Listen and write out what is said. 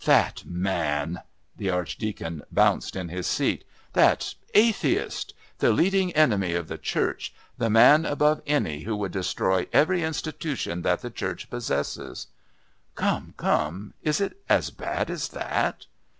"That man!" The Archdeacon bounced in his seat. "That atheist! The leading enemy of the Church, the man above any who would destroy every institution that the Church possesses!" "Come, come! Is it as bad as that?"